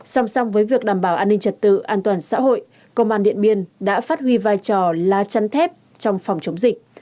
song song với việc đảm bảo an ninh trật tự an toàn xã hội công an điện biên đã phát huy vai trò lá chắn thép trong phòng chống dịch